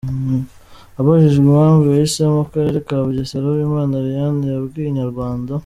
Abajijwe impamvu yahisemo akarere ka Bugesera Uwimana Ariane yabwiye Inyarwanda.